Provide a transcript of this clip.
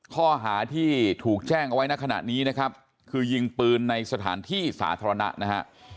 ข้อหาที่ถูกแจ้งเอาไว้ในขณะนี้นะครับคือยิงปืนในสถานที่สาธารณะนะฮะ